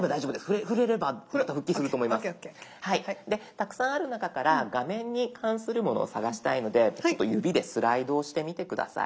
たくさんある中から画面に関するものを探したいので指でスライドをしてみて下さい。